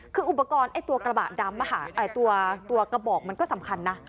คืออุปกรณ์ตัวกระบอกมันก็สำคัญนะ